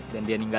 dan dia ninggal